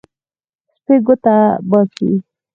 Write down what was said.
سپی ګوته باسي.